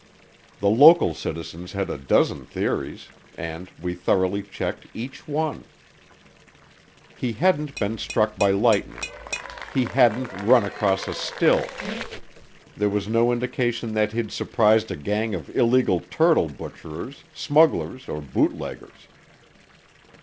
The local citizens had a dozen theories, and we thoroughly checked each one. He hadn't been struck by lightning. He hadn't run across a still. There was no indication that he'd surprised a gang of illegal turtle butcherers, smugglers, or bootleggers.